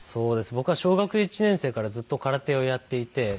僕は小学１年生からずっと空手をやっていて。